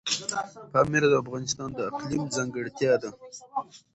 پامیر د افغانستان د اقلیم ځانګړتیا ده.